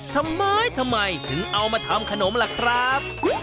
ทำไมทำไมถึงเอามาทำขนมล่ะครับ